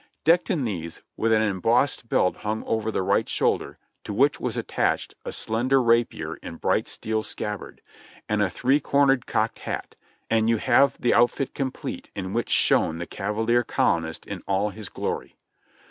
Decked in these, with an embossed belt hung over the right shoulder, to which was at tached a slender rapier in bright steel scabbard, and a three cor nered cocked hat, and you have the outfit complete in which shone the cavalier colonist in all his glory.